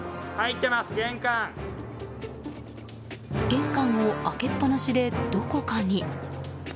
玄関を開けっぱなしでどこかに。